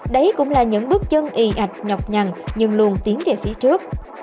đấy cũng là những bước chân y ạch nhọc nhằn nhưng luôn tiến về phía trước